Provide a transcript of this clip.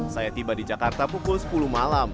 saya tiba di jakarta pukul sepuluh malam